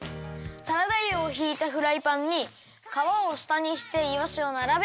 サラダ油をひいたフライパンにかわをしたにしていわしをならべます。